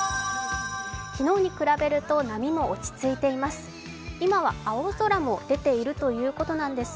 昨日に比べると波も落ち着いています。